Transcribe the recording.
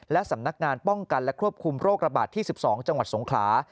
และสำนักงานป้องกันและควบคุมโรคระบาดที่๑๒จังหวัดสงขลา